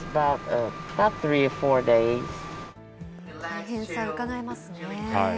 大変さうかがえますね。